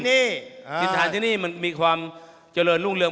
นี่กินทานที่นี่มันมีความเจริญรุ่งเรือง